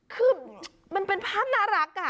คือมันเป็นภาพน่ารัก